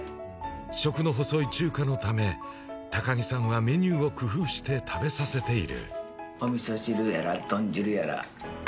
食の細いチューカのため、高木さんはメニューを工夫して食べさせている。